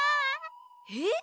えっ？